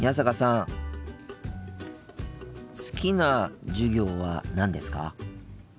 好きな授業は何ですか？